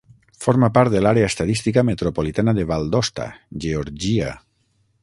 Forma part de l'àrea estadística metropolitana de Valdosta, Georgia.